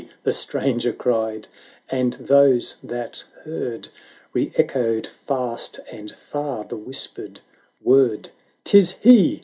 the stranger cried, and those that heard Re echoed fast and far the whispered word. '"Tis he